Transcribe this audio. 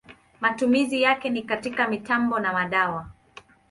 Matumizi yake ni katika mitambo na madawa.